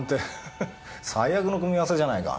最悪の組み合わせじゃないか。